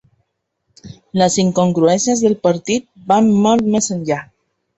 Les incongruències del partit van molt més enllà.